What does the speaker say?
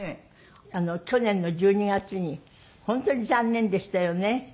去年の１２月に本当に残念でしたよね。